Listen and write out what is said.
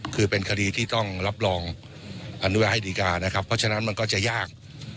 คือเป็นคดีที่ต้องรับรองอนุญาตให้ดีการนะครับเพราะฉะนั้นมันก็จะยาก